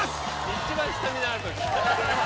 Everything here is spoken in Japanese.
一番スタミナあるとき。